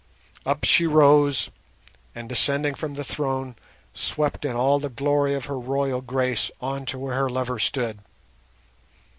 Up she rose and, descending from the throne, swept in all the glory of her royal grace on to where her lover stood.